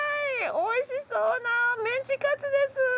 おいしそうなメンチカツです。